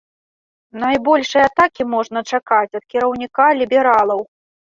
Найбольшай атакі можна чакаць ад кіраўніка лібералаў.